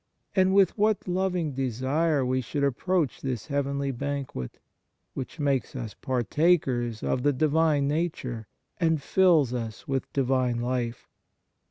and with what loving desire we should approach this heavenly banquet, which makes us partakers of the Divine Nature and fills us with Divine life.